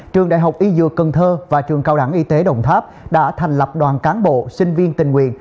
trường đại học y dược cần thơ và trường cao đẳng y tế đồng tháp đã thành lập đoàn cán bộ sinh viên tình nguyện